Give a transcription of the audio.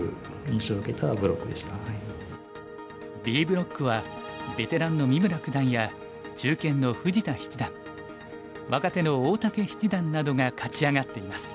Ｂブロックはベテランの三村九段や中堅の富士田七段若手の大竹七段などが勝ち上がっています。